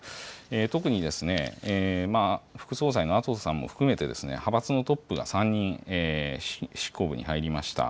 特に、副総裁の麻生さんも含めて、派閥のトップが３人執行部に入りました。